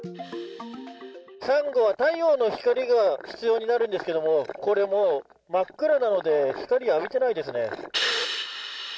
サンゴは、太陽の光が必要になるんですけれども、これもう、真っ暗なので、光を浴びてないですね。